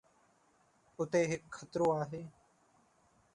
اتي هڪ خطرو آهي.